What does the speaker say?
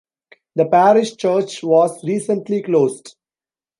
The parish church was recently closed.